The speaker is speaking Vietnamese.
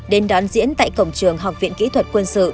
đến đón diễn tại cổng trường học viện kỹ thuật quân sự